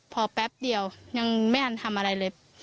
พอแป๊บเดียวยังไม่ทันทำอะไรเลย